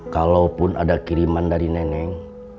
kalaupun ada kiriman dari neneng